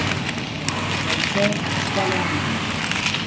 Valchao estala en vida.